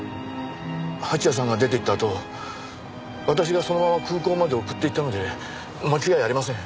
蜂矢さんが出て行ったあと私がそのまま空港まで送っていったので間違いありません。